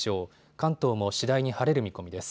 関東も次第に晴れる見込みです。